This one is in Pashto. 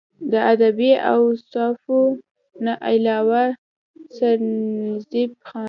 د ادبي اوصافو نه علاوه سرنزېب خان